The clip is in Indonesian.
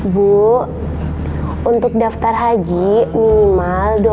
bu untuk daftar haji minimal dua puluh lima juta